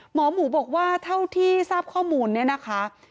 หมอหมูบอกว่าเท่าที่ทราบข้อมูลเนี่ยนะคะ